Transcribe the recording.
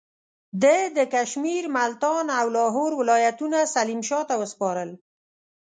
ده د کشمیر، ملتان او لاهور ولایتونه سلیم شاه ته وسپارل.